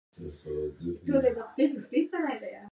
ژبه باید پاملرنه ترلاسه کړي.